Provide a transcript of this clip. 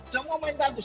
semua main bagus